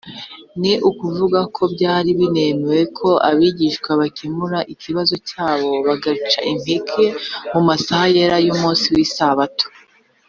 ni ukuvuga ko byari binemewe ko abigishwa bakemura ikibazo cyabo baca impeke mu masaha yera y’umunsi w’isabato